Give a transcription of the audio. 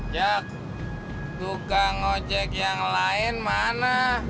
jak tukang ojek yang lain mana